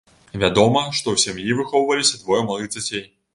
Вядома, што ў сям'і выхоўваліся двое малых дзяцей.